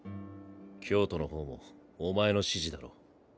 京都の方もお前の指示だろ？